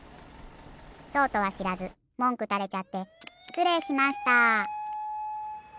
そうとはしらずもんくたれちゃってしつれいしました。